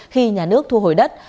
khi nhà nước thu hồi đất